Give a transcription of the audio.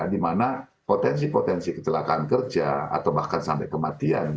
dimana potensi potensi kecelakaan kerja atau bahkan sampai kematian